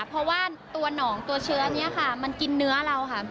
เพราะว่าตัวหนองตัวเชื้อนี้ค่ะมันกินเนื้อเราค่ะ